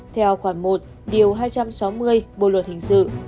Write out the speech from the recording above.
theo khoảng một hai trăm sáu mươi bộ luật hình sự